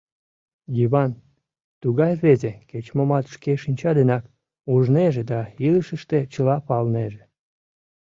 Йыван тугай рвезе: кеч-момат шке шинча денак ужнеже да илышыште чыла палынеже.